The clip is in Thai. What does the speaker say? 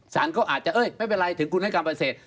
สารเขาอาจจะเอ้ยไม่เป็นไรถึงคุณให้การปฏิเสธ